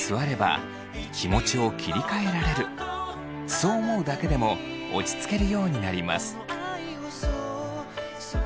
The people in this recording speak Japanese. そう思うだけでも落ち着けるようになります。